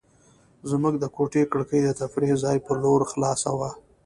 زموږ د کوټې کړکۍ د تفریح ځای په لور خلاصه وه.